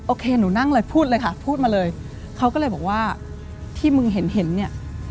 โอเคหนูนั่งเลยพูดเลยค่ะพูดมาเลยเขาก็เลยบอกว่าที่มึงเห็นเห็นเนี่ย